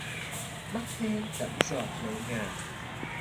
Mắt hoen đẫm giọt lệ ngà